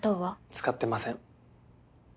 使ってません。